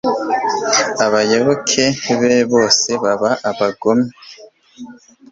abayoboke be bose baba abagome